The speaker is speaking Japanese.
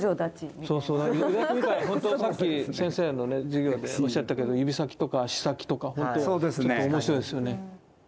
さっき先生の授業でおっしゃってたけど指先とか足先とかほんと面白いですよね。